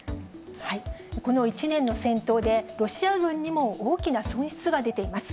この１年の戦闘で、ロシア軍にも大きな損失が出ています。